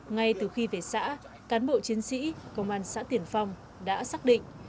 ngay từ khi về xã cán bộ chiến sĩ công an xã tiển phong đã xác định